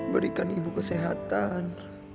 berikan ibu kesehatan